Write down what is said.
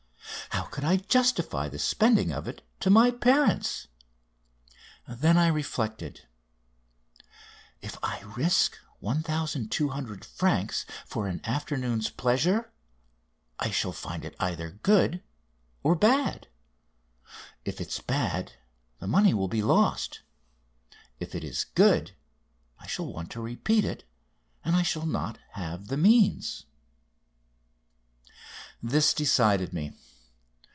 How could I justify the spending of it to my parents? Then I reflected: "If I risk 1200 francs for an afternoon's pleasure I shall find it either good or bad. If it is bad the money will be lost. If it is good I shall want to repeat it and I shall not have the means." This decided me.